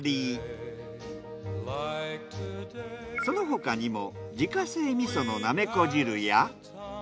その他にも自家製味噌のなめこ汁や。